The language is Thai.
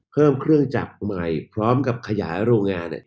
เพิ่มเครื่องจับใหม่พร้อมกับขยายโรงงาน